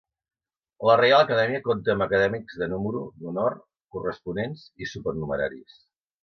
La Reial Acadèmia compta amb acadèmics de número, d'honor, corresponents i supernumeraris.